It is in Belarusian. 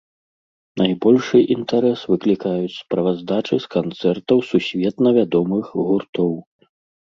Найбольшы інтарэс выклікаюць справаздачы з канцэртаў сусветна вядомых гуртоў.